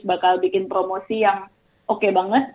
bakal bikin promosi yang oke banget